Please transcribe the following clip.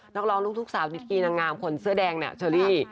นักร้องลูกทุ่งสาวดิกีนางงามคนเสื้อแดงเนี่ยเชอรี่